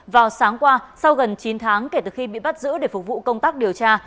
vào sáng qua sau gần chín tháng kể từ khi bị bắt giữ để phục vụ công tác điều tra